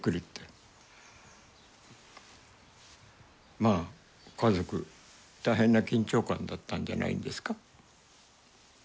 まあ家族大変な緊張感だったんじゃないんですか。